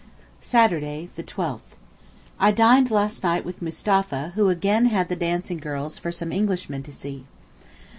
Saturday, 12_th_.—I dined last night with Mustapha, who again had the dancing girls for some Englishmen to see.